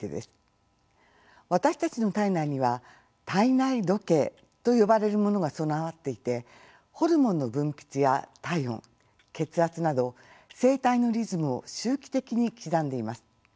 私たちの体内には体内時計と呼ばれるモノが備わっていてホルモンの分泌や体温血圧など生体のリズムを周期的に刻んでいます。